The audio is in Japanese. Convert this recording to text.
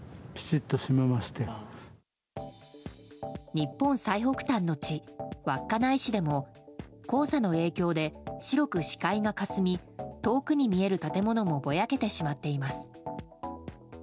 日本最北端の地、稚内市でも黄砂の影響で、白く視界がかすみ遠くに見える建物もぼやけてしまっています。